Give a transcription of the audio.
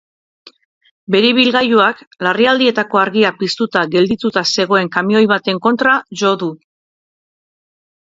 Bere ibilgailuak larrialdietako argiak piztuta geldituta zegoen kamioi baten kontra jo du.